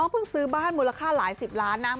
ซื้อบ้านมูลค่าหลายสิบล้านนะ